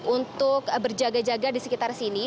untuk berjaga jaga di sekitar sini